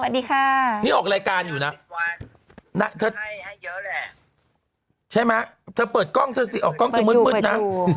สวัสดีค่ะนี่ออกรายการอยู่นะใช่ไหมถ้าเปิดกล้องออกกล้องจะมืดมืดนะ